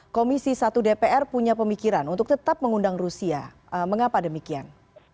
komisi satu dpr punya pemikiran untuk tetap mengundang rusia mengapa demikian